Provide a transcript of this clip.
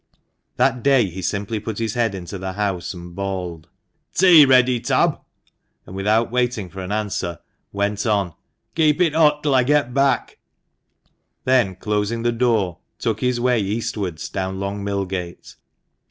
That day he simply put his head into the house, and bawled, "Tea ready, Tab?" and without waiting for an answer, went on, "Keep it hot till I get back;" then, closing the door, took his way eastwards down Long Millgate.